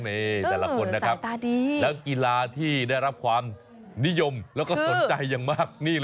นี่แต่ละคนนะครับแล้วกีฬาที่ได้รับความนิยมแล้วก็สนใจอย่างมาก